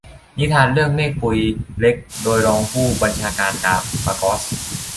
นิทานเรื่อง "เมฆปุยเล็ก" โดยรองผู้บัญชาการมาร์กอส